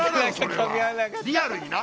リアルにな！